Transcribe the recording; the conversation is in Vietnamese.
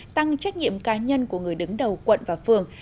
tăng trách nhiệm cá nhân của người đứng đầu quận và phường